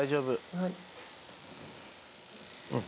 はい。